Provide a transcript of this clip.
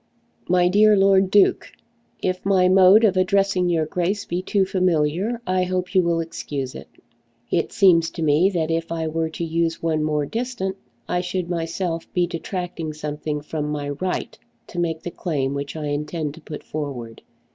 MY DEAR LORD DUKE, If my mode of addressing your Grace be too familiar I hope you will excuse it. It seems to me that if I were to use one more distant, I should myself be detracting something from my right to make the claim which I intend to put forward.